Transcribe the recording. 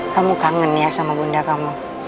kamu kangen ya sama bunda kamu